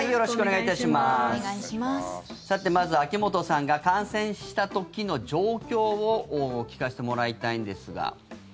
さて、まずは秋本さんが感染した時の状況を聞かせてもらいたいんですが。